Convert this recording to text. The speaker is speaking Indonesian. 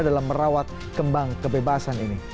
dalam merawat kembang kebebasan ini